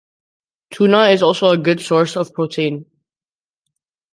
Tuna is also a good source of protein.